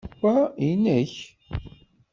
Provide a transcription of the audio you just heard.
Wa inek.